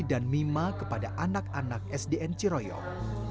dan mima kepada anak anak sdn ciroyong